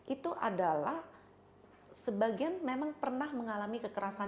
itu adalah sebagian memang pernah mengalami kekerasan